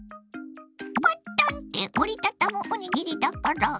パッタンって折り畳むおにぎりだから。